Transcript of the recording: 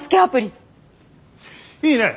いいねえ。